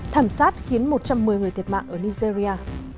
thảm sát khiến một trăm một mươi người thiệt mạng ở nigeria